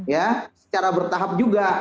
ya secara bertahap juga